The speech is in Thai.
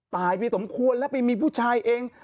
ตายไปสมควรแล้วไปมีผู้ชายเอง